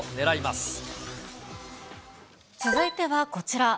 続いてはこちら。